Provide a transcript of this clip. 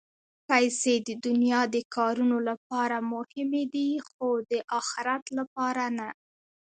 پېسې د دنیا د کارونو لپاره مهمې دي، خو د اخرت لپاره نه.